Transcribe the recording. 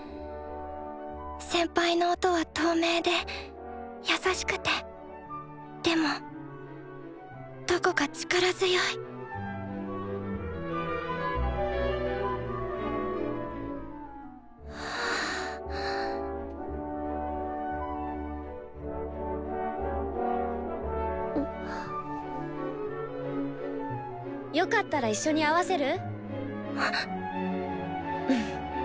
先輩の音は透明で優しくてでもどこか力強いよかったら一緒に合わせる？